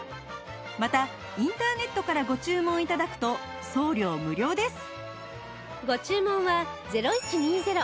またインターネットからご注文頂くと送料無料です